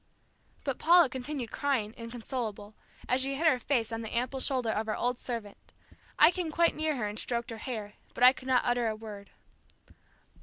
But Paula continued crying, inconsolable, as she hid her face on the ample shoulder of our old servant I came quite near her and stroked her hair, but I could not utter a word.